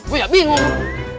gua ya bingung